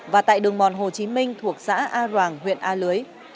và tại đường mòn hồ chí minh thuộc xã a roàng huyện a lưới